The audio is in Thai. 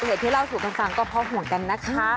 ทุกอุบัติเหตุที่เล่าถูกคำสั่งก็เพราะห่วงกันนะคะ